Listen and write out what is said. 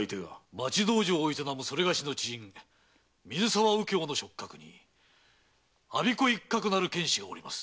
町道場を営むそれがしの知人水澤右京の食客に我孫子一角なる剣士がおります。